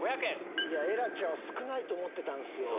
エラちゃん少ないと思ってたんすよ。